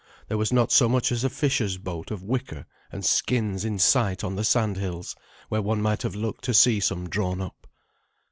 There was not so much as a fisher's boat of wicker and skins in sight on the sandhills, where one might have looked to see some drawn up.